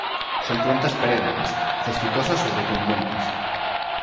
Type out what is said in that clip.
Son plantas perennes; cespitosas o decumbentes.